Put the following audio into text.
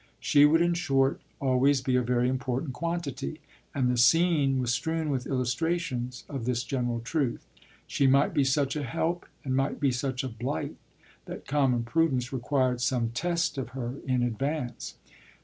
She would in short always be a very important quantity, and the scene was strewn with illustrations of this general truth. She might be such a help and might be such a blight that common prudence required some test of her in advance.